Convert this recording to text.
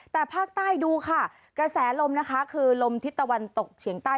แต่ภาคใต้ดูค่ะกระแสลมนะคะคือลมทิศตะวันตกเฉียงใต้